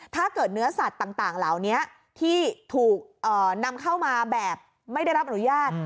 ถ้าเกิดเนื้อสัตว์ต่างเหล่านี้ที่ถูกนำเข้ามาแบบไม่ได้รับอนุญาต